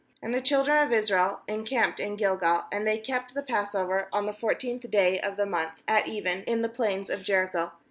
10And the children of Israel en camped in Gilgal; and they kept the passover on the fourteenth day of the month at even in the plains of Jericho.